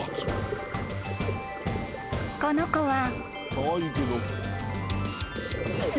［この子は］